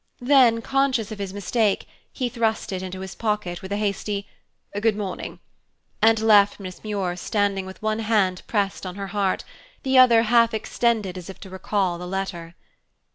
Then, conscious of his mistake, he thrust it into his pocket with a hasty "Good morning," and left Miss Muir standing with one hand pressed on her heart, the other half extended as if to recall the letter.